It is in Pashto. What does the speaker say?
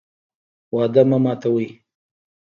وعده مه ماتوئ